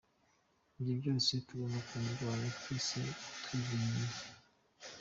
Ibyo byose tugomba kubirwanya twese twivuye inyuma.